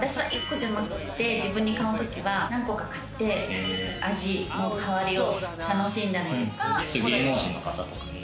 私は自分に買うときは何個か買って、味の変わりを楽しんだりとか。